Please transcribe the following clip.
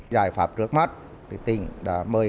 giải pháp trước mắt tỉnh đã mời